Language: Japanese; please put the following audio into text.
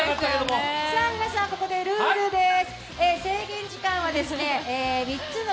皆さん、ここでルールです。